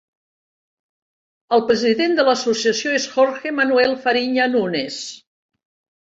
El president de l'associació és Jorge Manuel Farinha Nunes.